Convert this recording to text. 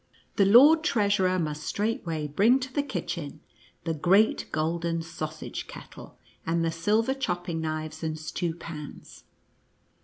The lord treasurer must straightway bring to the kitchen the great golden sausage kettle, and the silver chopping knives and stew pans.